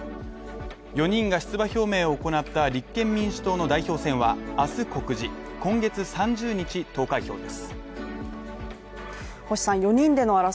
４人が出馬表明を行った立憲民主党の代表選は、あす告示、今月３０日投開票です。